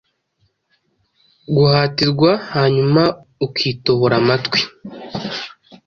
Guhatirwa hanyuma ukitobora amatwi